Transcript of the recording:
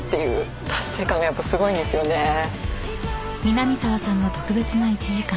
［南沢さんの特別な１時間］